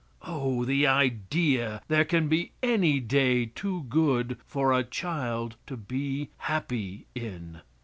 Oh! the idea there can be any day too good for a child to be happy in!